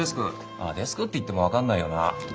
あデスクって言っても分かんないよな。